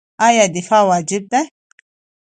آیا دفاع واجب ده؟